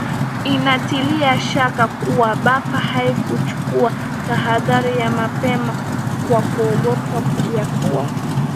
inatilia shaka kuwa bp haikuchuka tahadhari ya mapema kwa kuogopa ya kuwa